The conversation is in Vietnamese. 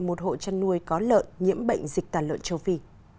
một hộ chăn nuôi có lợn nhiễm bệnh dịch tàn lợn châu phi